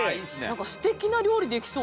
何かすてきな料理できそう。